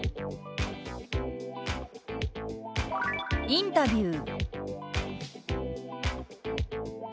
「インタビュー」。